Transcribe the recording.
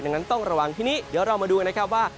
ดังนั้นต้องระวังทีนี้เดี๋ยวเรามาดูกันนะครับว่า